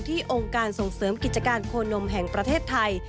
องค์การส่งเสริมกิจการโคนมแห่งประเทศไทย